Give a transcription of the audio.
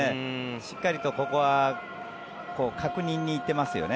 しっかりとここは確認に行っていますよね。